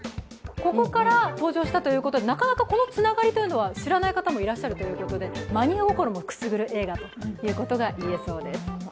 ここから登場したということでなかなかこのつながりを知らない方もいらっしゃるということで、マニア心もくすぐる映画ですね。